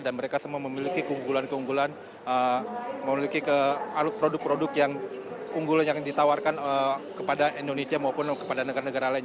dan mereka semua memiliki keunggulan keunggulan memiliki produk produk yang unggulan yang ditawarkan kepada indonesia maupun kepada negara negara lain